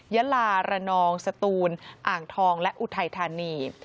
ยาลาระนองสตูนอ่างทองและอุทัยธานี